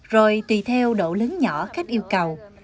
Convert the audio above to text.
rồi tùy theo độ lớn nhỏ khách yêu cầu